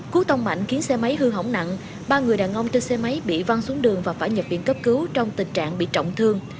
cú tông mạnh khiến xe máy hư hỏng nặng ba người đàn ông trên xe máy bị văng xuống đường và phải nhập viện cấp cứu trong tình trạng bị trọng thương